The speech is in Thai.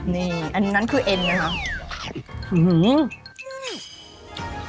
นี่อันนั้นคือเอ็นไหมคะ